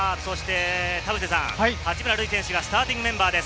八村塁選手がスターティングメンバーです。